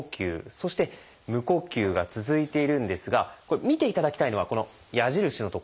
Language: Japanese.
そして「無呼吸」が続いているんですが見ていただきたいのはこの矢印の所。